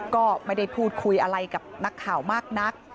ก็ไม่ได้พูดคุยอะไรกับนักข่าวมากนัก